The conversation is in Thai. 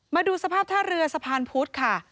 มาดูสภาพท่าเรือสะพานพุธค่ะ